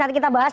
nanti kita bahas